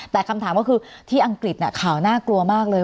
แต่คำถามก็คือที่อังกฤษข่าวน่ากลัวมากเลย